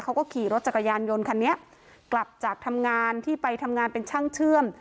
เขาก็ขี่รถจักรยานยนต์คันนี้กลับจากทำงานที่ไปทำงานเป็นช่างเชื่อม